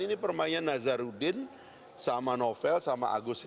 ini permainan nazarudin sama novel sama agus